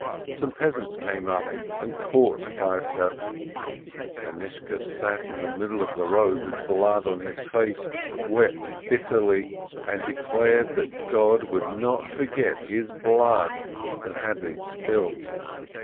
Some peas ants had come up and caught Feivke. Anishka sat in the middle of the road with blood on his face, wept bit terly, and declared that God would not forget his blood that had been spilt.